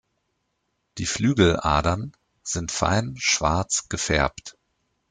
Die Flügeladern sind fein schwarz gefärbt.